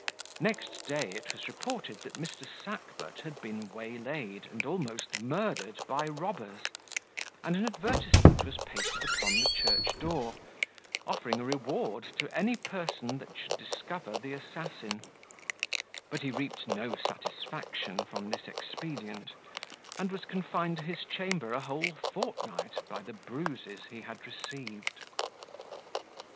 Next day it was reported that Mr. Sackbut had been waylaid and almost murdered by robbers, and an advertisement was pasted upon the church door, offering a reward to any person that should discover the assassin; but he reaped no satisfaction from this expedient, and was confined to his chamber a whole fortnight, by the bruises he had received.